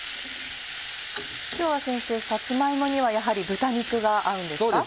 今日は先生さつま芋にはやはり豚肉が合うんですか？